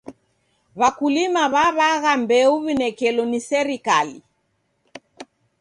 W'akulima w'aw'agha mbeu w'inekelo ni serikali.